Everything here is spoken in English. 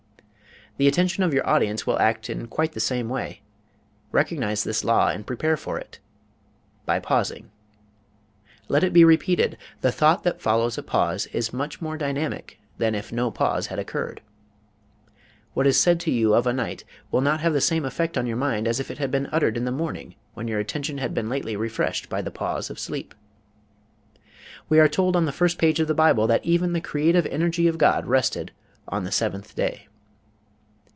The attention of your audience will act in quite the same way. Recognize this law and prepare for it by pausing. Let it be repeated: the thought that follows a pause is much more dynamic than if no pause had occurred. What is said to you of a night will not have the same effect on your mind as if it had been uttered in the morning when your attention had been lately refreshed by the pause of sleep. We are told on the first page of the Bible that even the Creative Energy of God rested on the "seventh day."